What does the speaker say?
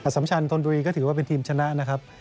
สัมชันธนบุรีก็ถือว่าเป็นทีมชนะนะครับ